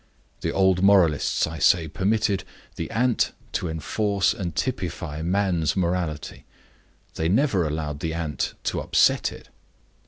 The old moralists, I say, permitted the ant to enforce and typify man's morality; they never allowed the ant to upset it.